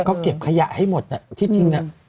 แต่ก็เก็บขยะให้หมดน่ะที่จริงน่ะ